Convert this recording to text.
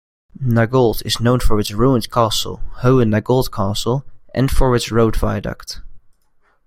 Nagold is known for its ruined castle, Hohennagold Castle, and for its road viaduct.